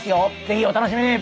ぜひお楽しみに！